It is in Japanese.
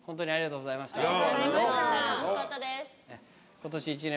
・ありがとうございます。